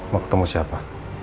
mau ketemu siapa